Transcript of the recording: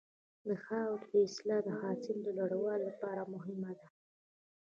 د خاورې اصلاح د حاصل د لوړوالي لپاره مهمه ده.